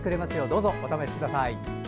どうぞお試しください。